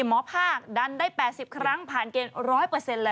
หมอภาคดันได้๘๐ครั้งผ่านเกณฑ์๑๐๐เลย